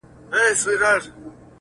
• اوس په ځان پوهېږم چي مين يمه.